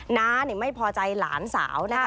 น้าไม่พอใจหลานสาวนะคะ